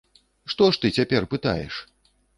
Што ж ты цяпер пытаеш!